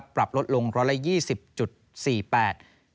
ปรับลดลง๑๒๐๔๘บาท